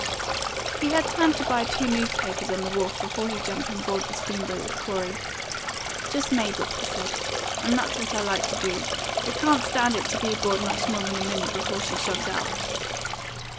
He had time to buy two newspapers on the wharf before he jumped on board the steam boat with Corey. "Just made it," he said; "and that's what I like to do. I can't stand it to be aboard much more than a minute before she shoves out."